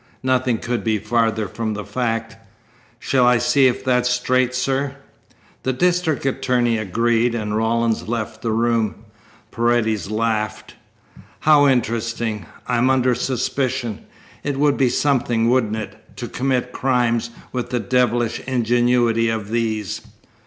Nothing could be farther from the fact." "Shall I see if that's straight, sir?" The district attorney agreed, and Rawlins left the room. Paredes laughed. "How interesting! I'm under suspicion. It would be something, wouldn't it, to commit crimes with the devilish ingenuity of these?